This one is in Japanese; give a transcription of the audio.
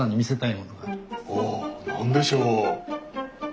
お何でしょう？